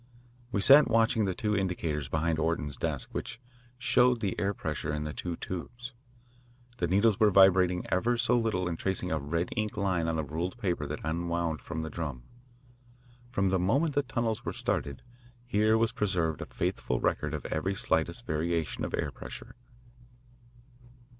We sat watching the two indicators beside Orton's desk, which showed the air pressure in the two tubes. The needles were vibrating ever so little and tracing a red ink line on the ruled paper that unwound from the drum. From the moment the tunnels were started, here was preserved a faithful record of every slightest variation of air pressure.